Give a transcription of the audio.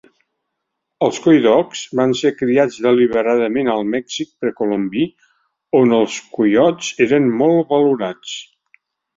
Els "coydogs" van ser criats deliberadament al Mèxic precolombí, on els coiots eren molt valorats.